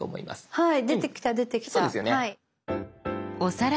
はい。